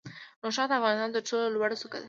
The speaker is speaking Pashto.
نوشاخ د افغانستان تر ټولو لوړه څوکه ده.